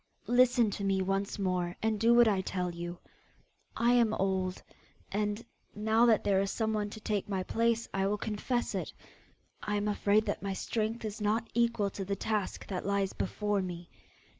Listen to me once more, and do what I tell you. I am old, and now that there is someone to take my place, I will confess it I am afraid that my strength is not equal to the task that lies before me.